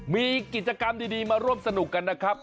มีกิจกรรมดีมาร่วมสนุกกันนะครับ